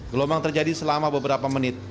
gelombang terjadi selama beberapa menit